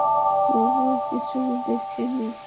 বললো কিছু দেখেনি।